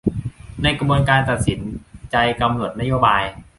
ในกระบวนการตัดสินใจกำหนดนโยบาย